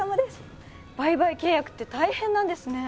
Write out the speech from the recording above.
売買契約って大変なんですね。